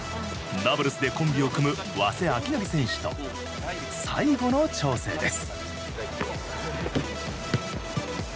ダブルスでコンビを組む早稲昭範選手と最後の調整です。